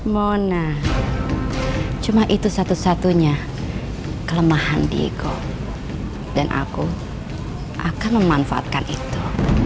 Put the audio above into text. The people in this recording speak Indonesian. mona cuma itu satu satunya kelemahan diego dan aku akan memanfaatkan itu